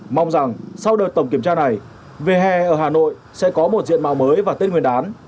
mong rằng sau đợt tổng kiểm tra này vỉa hè ở hà nội sẽ có một diện mạo mới và tên nguyên đán